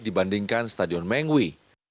dibandingkan stadion mengwi